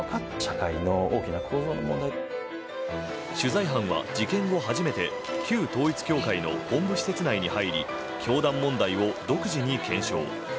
取材班は事件後、初めて旧統一教会の本部施設内に入り教団問題を独自に検証。